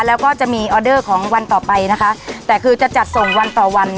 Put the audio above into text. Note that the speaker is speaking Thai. แล้วก็จะมีออเดอร์ของวันต่อไปนะคะแต่คือจะจัดส่งวันต่อวัน